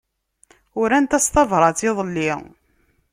Urant-as tabrat iḍelli.